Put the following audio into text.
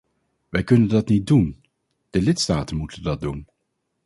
Wij kunnen dat niet doen, de lidstaten moeten dat doen.